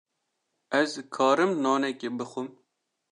Ez karim nanekî bixwim.